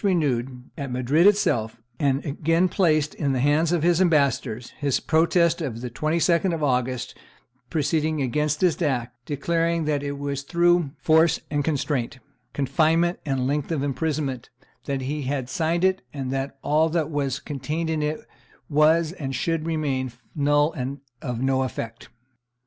renewed, at Madrid itself, and again placed in the hands of his ambassadors, his protest of the 22d of August preceding against this act, declaring "that it was through force and constraint, confinement and length of imprisonment, that he had signed it, and that all that was contained in it was and should remain null and of no effect."